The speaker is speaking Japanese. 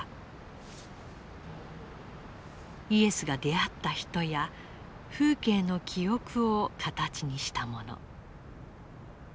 イエスが出会った人や風景の記憶を形にしたもの。